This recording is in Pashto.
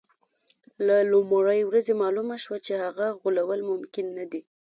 له لومړۍ ورځې معلومه شوه چې هغه غولول ممکن نه دي.